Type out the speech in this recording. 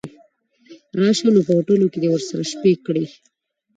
راشه نو په هوټلو کې دې ورسره شپې کړي.